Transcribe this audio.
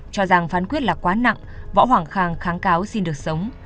cho rằng phán quyết là quá nặng võ hoàng khang kháng cáo xin được sống